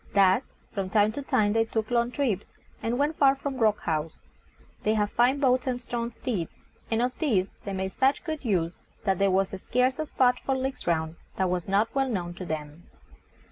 Thus, from time to time they took long trips, and went far from Rock House. They had fine boats and strong steeds, and of these they made such good use that there was scarce a spot for leagues round that was not well known to them.